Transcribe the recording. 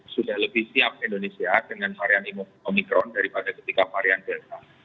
sudah lebih siap indonesia dengan varian omikron daripada ketika varian delta